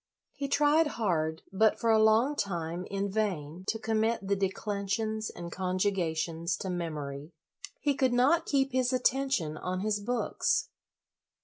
He tried hard, but, for a long time, in vain, to com mit the declensions and conjugations to memory. He could not keep his atten tion on his books.